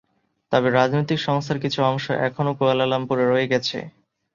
তবে, রাজনৈতিক সংস্থার কিছু অংশ এখনও কুয়ালালামপুরে রয়ে গেছে।